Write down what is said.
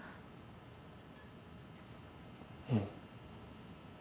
うん。